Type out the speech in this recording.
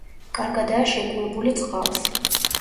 კარგადაა შეგუებული წყალს.